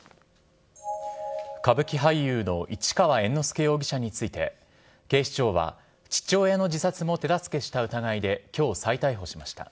歌舞伎俳優の市川猿之助容疑者について、警視庁は父親の自殺も手助けした疑いで、きょう、再逮捕しました。